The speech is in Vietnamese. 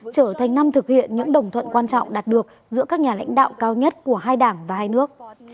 trở thành năm thực hiện những đồng thuận quan trọng đạt được giữa các nhà lãnh đạo cao nhất của hai đảng và hai nước